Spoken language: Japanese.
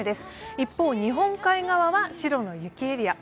一方、日本海側は白の雪エリア。